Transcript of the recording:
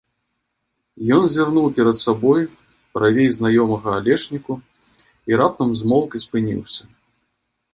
Ён зірнуў перад сабой, правей знаёмага алешніку, і раптам змоўк і спыніўся.